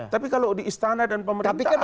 tapi kalau di istana dan pemerintah ada hubungannya